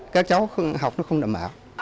các cháu học nó không đảm bảo